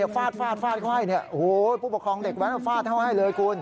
ฟาดไขว้ผู้ปกครองเด็กแวะฟาดเข้าให้เลยคุณ